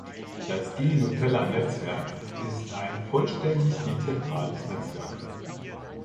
Das Gnutella-Netzwerk ist ein vollständig dezentrales Netzwerk.